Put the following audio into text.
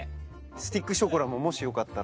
スティックショコラももしよかったら。